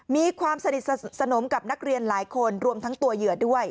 มีความสนิทสนมกับนักเรียนหลายคนรวมทั้งตัวเหยื่อด้วย